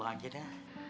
udah lama aja dah